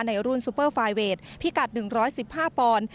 ในรุ่นซูเปอร์ไฟเวทพิกัด๑๑๕ปอนด์